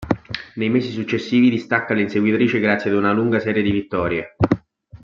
Nei mesi successivi distacca le inseguitrici grazie ad una lunga serie di vittorie.